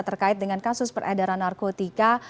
terkait dengan kasus peredaran narkotika